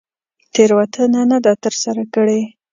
تېروتنه نه ده تر سره کړې.